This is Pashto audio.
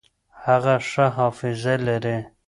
هغه ښه حافظه لري.